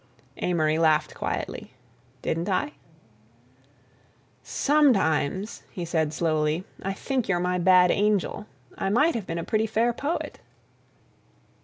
Amory laughed quietly. "Didn't I?" "Sometimes," he said slowly, "I think you're my bad angel. I might have been a pretty fair poet."